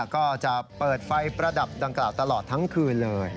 ก็จะเปิดไฟประดับดังกล่าวตลอดทั้งคืนเลย